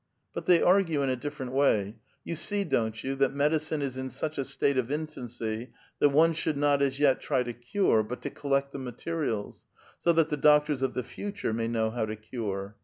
But they argue in a different wa^' : You see, don't you, that medicine is in such a stiite of infancy that one should not as yet try to cin e, but to collect the materials ; so that the doctors of the future may know how to cure.